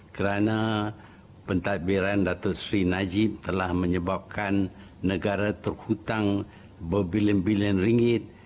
karena pentadbiran dato' sri najib telah menyebabkan negara terhutang berbilion bilion ringgit